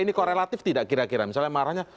ini korelatif tidak kira kira misalnya marahnya